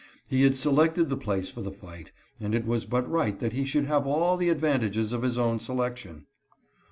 He had selected the place for the fight, and it was but right that he should have all the advantages of his own selection.